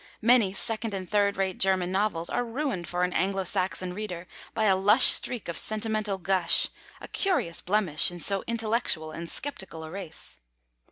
Many second and third rate German novels are ruined for an Anglo Saxon reader by a lush streak of sentimental gush, a curious blemish in so intellectual and sceptical a race.